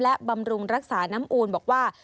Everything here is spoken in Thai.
และบำรุงรักษาน้ำอูลบอกว่า